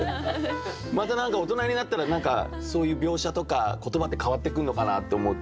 また何か大人になったらそういう描写とか言葉って変わってくるのかなって思うと。